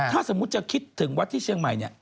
ถ้าสมมุติจะคิดถึงวัดที่เชียงใหม่เนี่ย